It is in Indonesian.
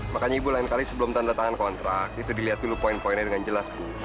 makanya ibu lain kali sebelum tanda tangan kontrak itu dilihat dulu poin poinnya dengan jelas bu